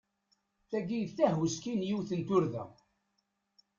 Tagi d tahuski n yiwet n turda.